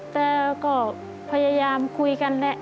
แต่ก็พยายามคุยกันแหละ